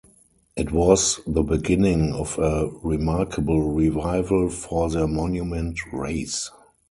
It was the beginning of a remarkable revival for the Monument race.